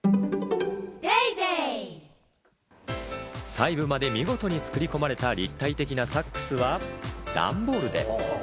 細部まで見事に作り込まれた立体的なサックスは、段ボールで。